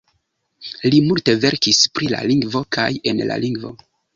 Li multe verkis pri la lingvo kaj en la lingvo.